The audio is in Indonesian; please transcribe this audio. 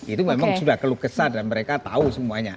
itu memang sudah kelukesan dan mereka tahu semuanya